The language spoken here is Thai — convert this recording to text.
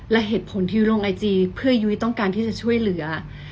และเหตุผลที่ยุ้ยลงไอจีเพื่อยุ้ยต้องการที่จะช่วยเหลือ